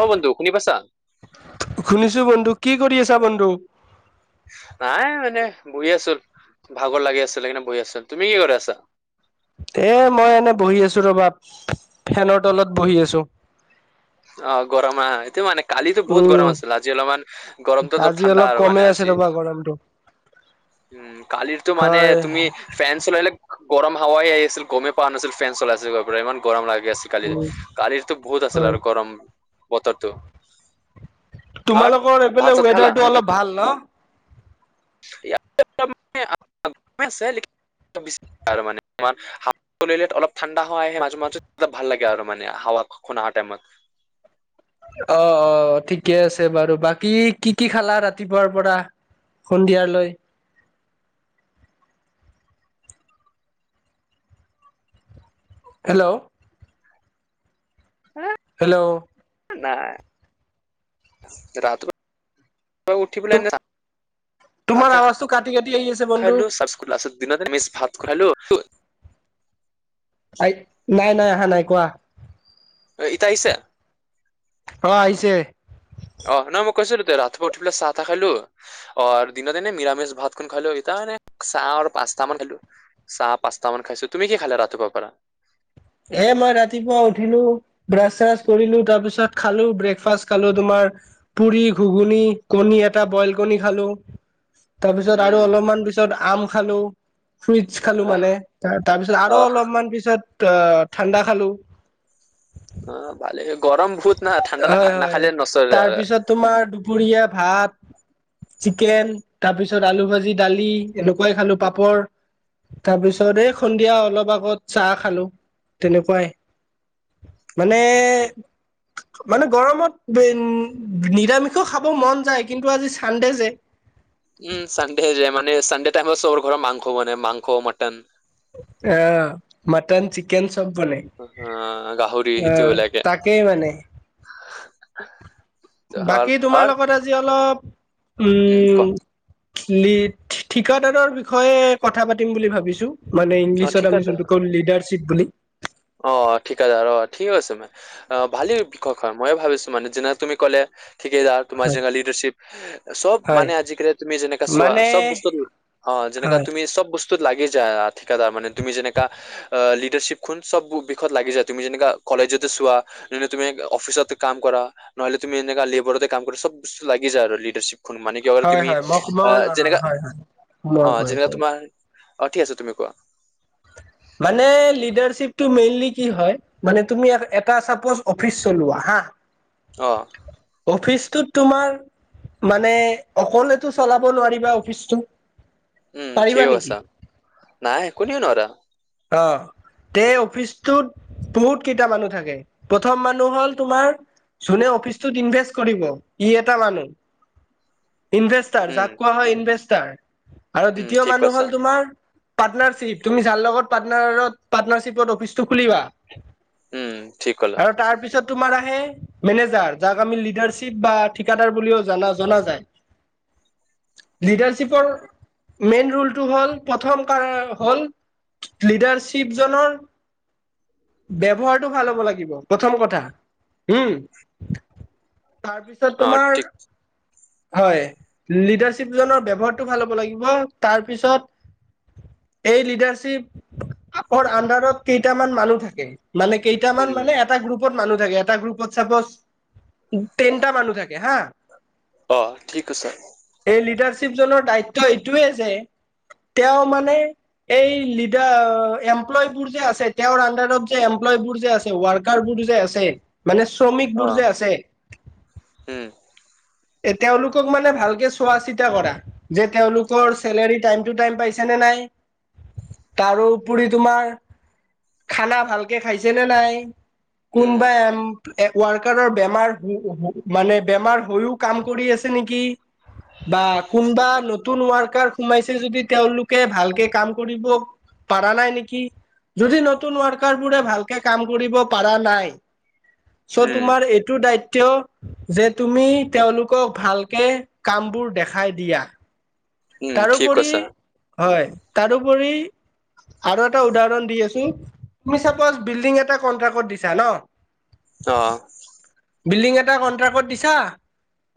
অ' বন্ধু, শুনি পাইছা? শুনিছো বন্ধু, কি কৰি আছা বন্ধু? নাই মানে বহি আছোঁ, ভাগৰ লাগি আছিল সেইকাৰনে বহি আছো। তুমি কি কৰি আছা? এ, মই এনে বহি আছো ৰ'বা, ফেনৰ তলত বহি আছোঁ। অ, গৰম আও, এইটো মানে কালিতো বহুত উম গৰম আছিলে, আজি অলপমান গৰমটো আজি অলপ ঠাণ্ডা আৰু কমেই মানে আছে আজি। ৰবা গৰমটো উম, কালিটো মানে হয় তুমি ফেন চলালে গৰম হাৱাই আহি আছিল, গমেই পোৱা নাছিল ফেন চলাই আছিল, বাপৰে ইমান গৰম লাগি আছিল। কালি, উম কালিৰটো বহুত আছিল হয় আৰু গৰম, বতৰটো। আৰু তোমালোকৰ ভাত এইফালে চাত খালা ৱেডাৰ টো অলপ ভাল ন? [inaudible] হাৱা ললে অলপ ঠাণ্ডা হয় আহে মাজে মাজে ভাল লাগে আৰু মানে হাৱা খ খন অহা টাইমত। অ, অ, ঠিকে আছে বাৰু। বাকী কি কি খালা ৰাতিপুৱাৰ পৰা? সন্ধিয়াৰলৈ? হেল্ল' [inaudible] হেল্ল' নাই [unintelligible] অ' উঠি পেলাই তুম তোমাৰ [unintelligible] আৱাজটো কাটি কাটি আহি আছে বন্ধু খালো [unintelligible] [unintelligible] দিনতে মিচ ভাত খোৱালো নাই, নাই, অহা নাই, কোৱা। এ ইতা আহিছে? অ, আহিছে। অ, নহয় মই কৈছিলো তে ৰাতিপুৱা উঠি পেলাই চাহ তাহ খালো অ, দিনত এনে নিৰামিষ ভাতকন খালো এতা মানে চাহ আৰু পাস্তা মান খালো। চাহ পাঁচটামান খাইছো, তুমি কি খালা ৰাতিপুৱাৰ পৰা? এ মই ৰাতিপুৱা উঠিলো ব্ৰাছ চাছ কৰিলো, তাৰ পিছত খালো, ব্ৰেকফাষ্ট খালো তোমাৰ পুৰি, ঘুগুনি, কণী এটা বইল কণী খালো তাৰ পিছত আৰু উম অলপমান পিছত আম খালো ফ্ৰুইটচ খালো আহ মানে, তাৰ পিছত আৰু আহ অলপমান পিছত অ ঠাণ্ডা খালো। অ, ভালে, গৰম বহুত ন, ঠাণ্ডা হয় হয় নাখালে নচলে তাৰ আৰু। পিছত তোমাৰ দুপৰীয়া ভাত চিকেন, তাৰপিছত আলু ভাজি, দালি, এনেকুৱাই খালো, পাপৰ তাৰ পিছত এই সন্ধিয়া অলপ আগত চাহ খালো, তেনেকুৱাই মানে মানে গৰমত নিৰামিষো খাব মন যায়, কিন্তু আজি চানডে যে! উম, চানডে যে, মানে চানডে টাইমত সবৰ ঘৰত মংস বনায়, মাংস, মটন আ, মটন, চিকেন চব বনায়। অ অ গাহৰি, এইটো বেলেগে তাকেই মানে বাকী তোমাৰ লগত আজি অলপ উম, ক। টি, ঠিকাদাৰৰ বিষয়ে কথা পাতিম বুলি ভাবিছোঁ। মানে অ ঠিক ইংলিছত আমি আছে জোনটো কও লীডাৰশ্বিপ বুলি অ', ঠিকাদাৰ অ', সিও আছে মানে। আহ ভালেই বিষয় হয়, মৰয়ে ভাবিছো মানে, যে তুমি ক'লে ঠিকেইদাৰ তোমাৰ হয় যি লীডাৰশ্বীপ চব হয় মানে, আজিকালি তুমি যেনেকা চোৱা, মানে চব বস্তু অ', যেনেকা হয় তুমি চব বস্তু ত লাগি যায় ঠিকাদাৰ মানে, তুমি যেনেকা লীডাৰশ্বীপ খন চব বিষয়ত লাগি যায়, তুমি যেনেকা কলেজতে চোৱা, যেনে তুমি অফিচতে কাম কৰা। নহ'লে তুমি এনেকা লেবৰতে কাম কৰি চব বস্তুতে লাগি যায়, আৰু লীডাৰশ্বীপ খন মানে। কিয়, হয় তুমি হয় মই মই অ', যেনেকা হয় হয় মই অ', কৈ যেনেকা আছো তোমাৰ অ', ঠিক আছে তুমি কোৱা। মানে লিডাৰশ্বিপটো মেইনলি কি হয় মানে তুমি এটা চাপজ, অফিচ চলোৱা হা। অ'। অফিচটোত তোমাৰ মানে, অকলেতো চলাব নোৱাৰিবা অফিচটো। উম, পাৰিবা ঠিকে নেকি কৈছা, নাই কোনেও নোৱাৰা। অ'। তে, অফিচটোত বহুত কেইটা মানুহ থাকে, প্ৰথম মানুহ হ'ল তোমাৰ যোনে অফিচটোত ইনভেষ্ট কৰিব, ই এটা মানুহ। [inaudible] ইনভেষ্টাৰ, উম যাক কোৱা হয় ইনভেষ্টাৰ। আৰু উম, দ্বিতীয় ঠিক মানুহ কৈছা। হ'ল তোমাৰ পাৰ্টনাৰশ্বিপ, তুমি যাৰ লগত পাটনাৰত, পাৰ্টনাৰশ্বিপত অফিচটো খুলিবা, উম, ঠিক ক'লা। আৰু তাৰপিছত তোমাৰ আহে মেনেজাৰ, যাক আমি লীডাৰশ্বীপ বা ঠিকাদাৰ বুলিও জনা জনা যায়। লীডাৰশ্বীপৰ মেইন ৰোলটো হ'ল, প্ৰথম কাৰণ হ'ল লিডাৰশ্বিপ জনৰ ব্যৱহাৰটো ভাল হ'ব লাগিব, প্ৰথম কথা হম। তাৰপিছত অ', তোমাৰ ঠিক হয়, লিডাৰশ্বিপ জনৰ ব্যৱহাৰটো ভাল হ'ব লাগিব, তাৰপিছত এই লিডাৰশ্বিপ ৰ, অন্দাৰত কেইটামান মানুহ থাকে মানে, উম, কেইটামান মানে এ এটা গ্ৰুপত মানুহ থাকে, এটা গ্ৰুপত চাপজ টেনটা মানুহ থাকে হা। অ', ঠিক আছে। এই লিডাৰশ্বিপজনৰ দায়িত্ব এইটোৱেই যে, তেওঁ মানে এই লিড এতিয়া, এমপ্লয়বোৰ যে আছে, তেওঁৰ অন্দাৰত যে এমপ্লয়বোৰ যে আছে, ৱৰ্কাৰ বোৰ যে আছে। মানে, শ্ৰমিক বোৰ অ', যে আছে। উম, এ তেওঁলোকক মানে ভালকে চোৱা-চিতা কৰা। যে অ', তেওঁলোকৰ চেলেৰী টাইম, টু টাইম পাইছে নে নাই। তাৰোপৰি তোমাৰ খানা ভালকে খাইছে নে নাই উম, কোনোবা ৱাৰ্কাৰৰ বেমাৰ, মানে বেমাৰ হৈও কাম কৰি আছে নেকি, বা কোনবা নত নতুন ৱাৰ্কাৰ, সোমাইছে যদি তেওঁলোকে ভালকে কাম কৰিব পাৰা নাই নেকি যদি নতুন ৱাৰ্কাৰ বোৰে ভালকে কাম কৰিব পাৰা নাই। চ' উম, তোমাৰ এইটো দায়িত্ব, যে তুমি তেওঁলোকক ভালকে কামবোৰ দেখাই দিয়া। উম, ঠিক তাৰোপৰি কৈছা। হয়, তাৰোপৰি আৰু এটা উদাহৰণ দি আছো তুমি চাপজ বিল্ডিং এটা কন্ট্ৰাক্টত দিছা ন অহ' বিল্ডিং এটা কণ্ট্ৰেক্টত দিছা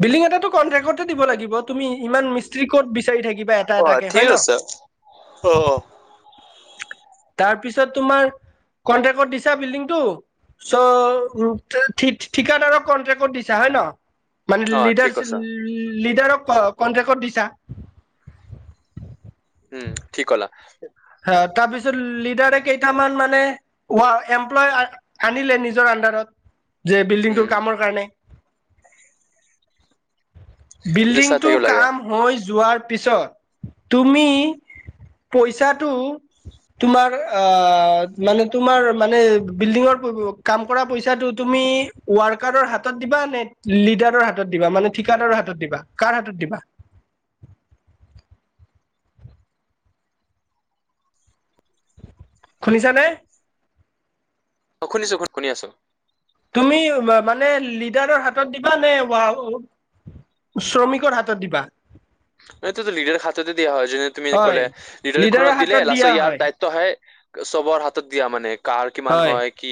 বিল্ডিং এটাটো কণ্ট্ৰেক্টতে দিব লাগিব তুমি ইমান মিস্ত্ৰী ক'ত বিচাৰি থাকিবা এটা এটাকে ঠিক হয় ন? আছে। অ অ তাৰ পিছত তোমাৰ কন্ট্ৰেক্টত দিছা বিল্ডিংটো চ' ঠিকাদাৰক কনট্ৰেক্টত দিছা হয় ন? মানে অ', ঠিক লিডাৰচক কৈছা। লিডাৰক কনট্ৰেকট দিছা উম কি ক'লা তাৰপিছত লিডাৰে কেইটামান মানে [unintelligible] এমপ্লয় আ-আনিলে নিজৰ আন্দাৰত যে উম, বিল্ডিংটোৰ কামৰ কাৰণে এইটো চাই বিল্ডিংটো থাকিব লাগে। কাম হৈ যোৱাৰ পিছত তুমি পইচা [inaudible] তোমাৰ আ মানে তোমাৰ মানে বিল্ডিঙৰ কাম কৰা পইচাটো তুমি ৱৰ্কাৰৰ হাতত দিবা নে লিডাৰৰ হাতত দিবা মানে ঠিকাদৰ হাতত দিবা কাৰ হাতত দিবা। শুনিছা নে। অ', শুনিছো শুনি আছো। তুমি মানে লিডাৰৰ হাতত দিবা নে ৱ শ্ৰমিকৰ হাতত দিবা। এইটো লিডাৰৰ হাতে দিয়া হয় যেনে তুমি হয় কলে লিডাৰ খত লিডাৰৰ দিলে হাতত লাষ্টত দিয়া ইয়াৰ হয় দায়িত্ব ত হে চবৰ হাতত দিয়া মানে কাৰ কিমান হয় কি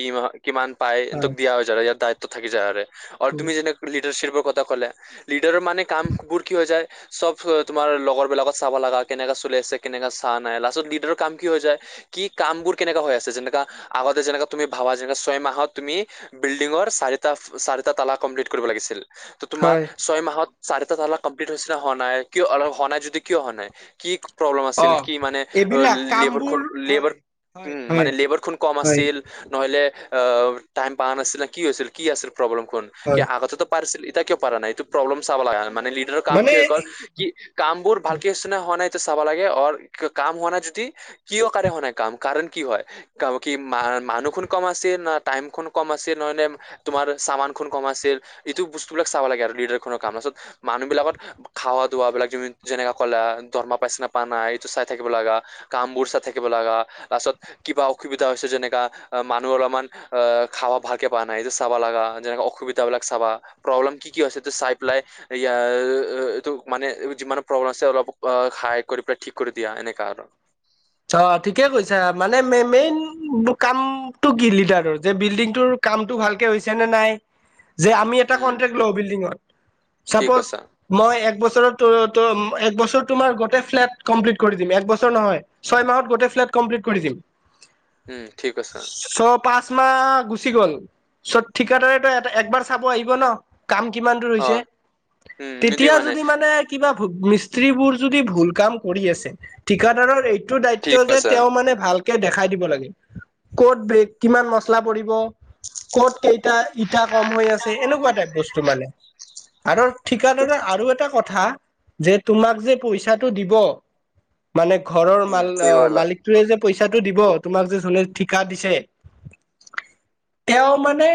কিমান পায় হেতোক দিয়া হয় যাতে ইয়াৰ দায়িত্ব থাকি যায় ৰে আৰু তুমি যেনে লিডাৰশিপৰ কথা ক'লে লিডাৰৰ মানে কাম বোৰ কি হৈ যায় চব তোমাৰ লগৰ বিলাকত চাব লগা কেনেকৈ চলি আছে কেনেকুৱা চা নাই লাষ্টত লিডাৰৰ কাম কি হৈ যায় কি কামবোৰ কেনেকা হৈ আছে যেনেকা আগতে যেনেকা তুমি ভাবা যেনে ছয় মাহত তুমি বিল্ডিঙৰ চাৰিটা চাৰিটা তালা কমপ্লিট কৰিব লাগিছিল। ত তোমাৰ হয় ছয় মাহত চাৰিটা তালা কমপ্লিট হৈছে হোৱা নাই কিয় আৰু হোৱা নাই যদি কিয় হোৱা নাই কি প্ৰব্লেম আছিল অ কি মানে এইবিলাক লেবাৰখন কামবোৰ হয় লেবাৰ হয় হয় মানে লেবাৰখন কম হয় আছিল নহলে আ তাইম পাৱা নাছিল ন কি হৈছিল কি আছিল প্ৰব্লেমখন কি হয় আগতেতো পাৰ্চছিল এতিয়া কিয় পাৰা নাই এইটো প্ৰব্লেম চাব লগা হয় মানে লিডাৰৰ কাম কি মানে অকল কি কাম বোৰ ভালকে হৈছে না হোৱা নাই চাব লাগে অ কাম হোৱা নাই যদি কিয় কাৰনে হোৱা নাই কাম কাৰণ কি হয় কি মা মানুহ খন কম আছে না টাইম খন কম আছে নহ তোমাৰ চামান খন কম আছিল এইটো বস্তুবিলাক চাব লাগে আৰু লিডাৰ খনৰ কাম মানুহ বিলাকত খাৱা দুৱাবিলাক য যেনেকা ক'লা দৰমহা পাইছে না পা নাই এইটো চাই থাকিব লগা কাম বোৰ চাই থাকিব লগা তাৰপাছত কিবা অসুবিধা হৈছে যেনেকা মানুহ অলপমান আহ খাবা ভালকে পোৱা নাই এইটো চাবা লগা যেনেকা অসুবিধাবিলাক চাবা প্ৰব্লেম কি কি হৈছে চাই প লাই ই অ', এইটো মানে যিমান প্ৰব্লেম আছে অলপ অ হাই কৰি পেলাই ঠিক কৰি দিয়া এনেকা আৰু অ', ঠিকে কৈছা মানে ম মেইন কামটো বিল্ডাৰৰ যে বিল্ডিংটো ৰ কামটো ভালকে হৈছে নে নাই যে আমি এটা উম কন্টেক্ লওঁ বিল্ডিঙত ঠিক চাপজ কৈছা মই এক বছৰত একবছৰ তোমাৰ গোটেই ফ্লেট কমপ্লিট কৰি দিম একবছৰ নহয় ছয় মাহত গোটেই ফ্লেটকমপ্লিট কৰি দিম। উম ঠিক কৈছ' চ' পাঁচ মাহ গুচি গ'ল চত ঠিকাদাৰে তো একবাৰ চাব আহিব ন। কাম কিমান দূৰ অ হৈছে উম এইটোৱে তেতিয়া যদি মানে কিবা স্ত্ৰীবোৰ যদি ভুল কাম কৰি আছে ঠিকাদাৰৰ এইটো দায়িত্ব ঠিক যে কৈছা তেওঁ মানে ভাল কৈ দেখাই দিব লাগে ক'ত বেগ কিমান মচলা পৰিব ক'ত কেইটা ইটা কম হৈ আছে এনেকুৱা টাইপ বস্তু মানে আৰু ঠিকাদাৰ আৰু এটা কথা যে তোমাক যে পইচাটো দিব মানে ঘৰৰ উম মাল ঠিক ক'লা মালিক টোৱে যে পইচাটো দিব তোমাক যে যোনে ঠিকা দিছে তেওঁ মানে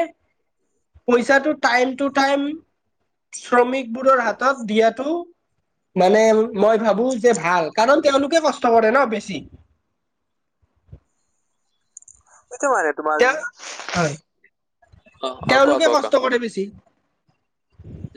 পইচাটো টাইম টু টাইম শ্ৰমিকবোৰৰ হাতত দিয়াতো মানে মই ভাবো যে ভাল কাৰণ তেওঁলোকে কষ্ট কৰে ন বেছি। এতিমাৰে তোমাৰ অ তেওঁ অ হয় কোৱা তেওঁলোকে কোৱা কষ্ট কোৱা। কৰে বেছি।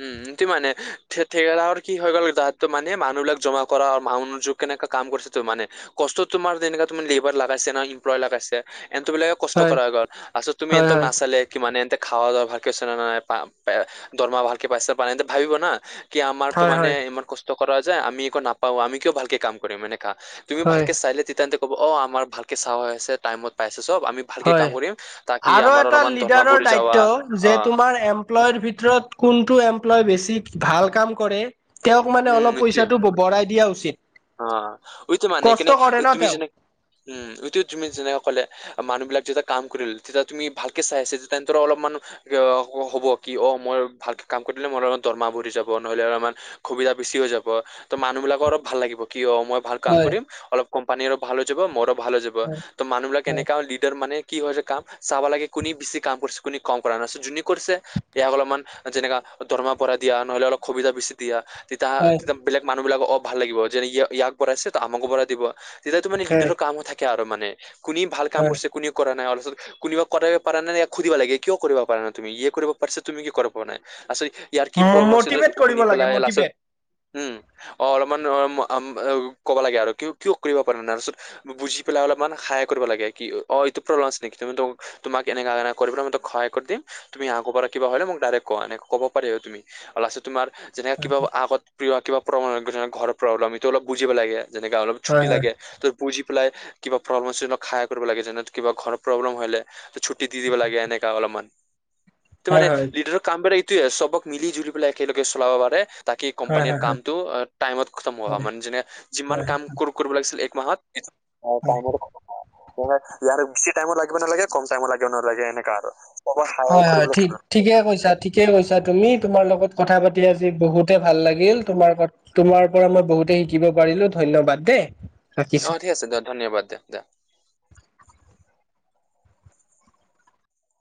উম সেটো মানে ঠি ঠিকাদাৰ কি হৈ গ'ল তাহাতটো মানে মানুহ বিলাক জমা কৰা ভাওনা যোগ কেনেকা কাম কৰিছে তো মানে কষ্ট তোমাৰ তেনে ত লেবাৰ লাগাইছে না ইমপ্লয় লাগাইছে এন তোবিলাক কষ্ট হয় কৰাৰ আগত আচছ তুমি হয় এহতক হয় নাচালে কিমান ইহঁতে খাৱা ভালকে আছেনে নে নাই পা এ দৰমহা ভালকে পাইছে নে নাই ইহঁতে ভাবিব না কি আমাৰতো হয় মানে হয় ইমান কষ্ট কৰা যায় আমি একো নাপাওঁ আমি কিয়ো ভালকে কাম কৰিম এনেকা তুমি হয় ভালকে চালে তেতিয়া ইহঁতে ক'ব অ আমাৰ ভালকে চাৱা হৈ আছে টাইমত পাইছো চব আমি ভালকে হয় কাম কৰিম তাকি আৰু আমাৰ এটা অলপমান দৰমহা লিডাৰৰ বুঢ়ি যাৱা দায়িত্ব অ যে তোমাৰ এম প্লইৰ ভিতৰত কোনটো এমপ্লই বেছি ভাল কাম কৰে, তেওঁক মানে অলপ পইচাটো বঢ়াই দিয়া উচিত অ উইটো মানে কেনে কষ্ট কৰে ন তুমি তেওঁ যেনেকে উম উইটো তুমি যেনেকে ক'লে মানুহ বিলাক যেতিয়া কাম কৰিল তেতিয়া তুমি ভালকে চাই চিটি তাহাঁতৰ অলপমান অহ হ'ব কি অ মই ভালকে কাম কৰিলে মোৰ অলপ দৰমহা বাঢ়ি যাব নহ'লে আৰু আমাৰ সুবিধা বেছি হৈ যাব ত'মানুহ বিলাক'ৰ অলপ ভাল লাগিব কি অ মই ভাল কাম হয় কৰিম অলপ কোম্পানীৰো ভাল হৈ যাব ম'ৰ ভাল হৈ যাব ব হয় ত' মানুহবিলাক হয় এনেকা লিডাৰ মানে কি হয় হৈছে কাম চাব লাগে কোনে বেছি কাম কৰিছে, কোনে কম কৰা নাইছে যোনে কৰিছে ইয়াক অলপমান যেনেকা দৰমা বঢ়া দিয়া নহলে অলপ সুবিধাবেছি দিয়া তেতিয়া হয় তেতিয়া বেলেগ মানুহ বিলাকক অ ভাল লাগিব, যেনেয় ইয়াক বঢ়াইছে ত আমাকো বঢ়াই দিব। তেতিয়াতো মানে লিডাৰ হয় কামো থাকে আৰু মানে কোনে ভাল কাম হয়। কৰিছে কোনে কৰা নাই আচল কোনোবা কৰিব পৰা নাই ইয়াক সুধিব লাগে কিয় কৰিব পৰা নাই তুমি ইয়ে কৰিব পাৰিছে তুমি কিয় কৰিব পৰা নাই আচ ইয়াৰ কি প্ৰব্লেম আছে মটিভেট তাৰপিছত কৰিব শুনি লাগে পেলাই লাষ্টত মটিভেট উম অ অলপমান আম ও ক'ব লাগে আৰু কিয় কিয় কৰিব পাৰা নাই তাৰপিছত বুজি পেলাই অলপমান সাহায় কৰিব লাগে কি অ এইটো প্ৰব্লেম আছে নেকি তুমিটো তোমাক এনেকা এনেকা কৰিবলৈ মই তোক সহায় কৰি দিম তুমি আগৰ পৰা কিবা হ'লে মোক ডাইৰেক্ট ক'বা এনেকে ক'ব পাৰি আৰু তুমি আৰু লাষ্টত তোমাৰ যেনেকে কিবা আগত প্ৰিয় কিবা প্ৰব্লেম হৈ গৈছে ঘৰৰ প্ৰব্লেম এইটো অলপ বুজিব লাগে যেনেকা অলপ ছুটি হয় হয় লাগে ত' বুজি পেলাই কিবা প্ৰব্লেম আছে তাক সহায় কৰিব লাগে যেনে তো কিবা ঘৰৰ প্ৰব্লেম হ'লে ছুটি দি দিব লাগে এনেকা অলপমান এইটো হয় মানে হয় লিডাৰৰ কামবিলাক এইটোৱে আৰু চবক মিলি-জুলি পেলাই একেলগে চলাব পাৰে তাকে হয় কোম্পানীৰ হয় হয় কামটো আ টাইমত খটম হোৱা হয় মানে যেনে যিমান হয় হয় কাম কৰিব লাগিছিল এক মাহত অ হয় টাইমতে খতম হয়। মানে যেনে বেছি টাইমো লাগিবো নালাগে, কম টাইমো লাগিব নালাগে, এনেকা আৰু। হয় হয়, ঠিক ঠিকে কৈছা, ঠিক ঠিকে কৈছা তুমি, তোমাৰ লগত কথা পাতি আজি বহুতে ভাল লাগিল, তোমাৰ ক তোমাৰ পৰা মই বহুতে শিকিব পাৰিলো ধন্যবাদ দেই। ৰাখিছো অ', ঠিক আছে দিয়ক ধন্যবাদ, দে দে।